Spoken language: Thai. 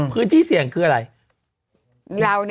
พื้นที่เสี่ยงคืออะไร